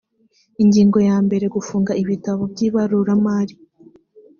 ingingo ya mbere gufunga ibitabo by ibaruramari